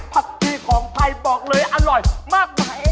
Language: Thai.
ผักชีของไทยบอกเลยอร่อยมากมาย